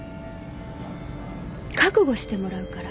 覚悟してもらうから。